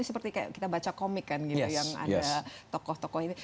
seperti kita baca komik kan gitu yang ada tokoh tokoh ini